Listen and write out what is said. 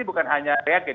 ini bukan hanya reagen